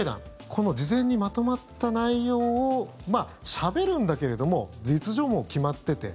この事前にまとまった内容をしゃべるんだけれども事実上、もう決まってて。